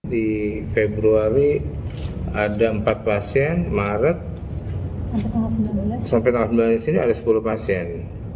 di februari ada empat pasien maret sampai tanggal sembilan belas ini ada sepuluh pasien